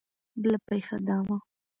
بله پېښه دا وه.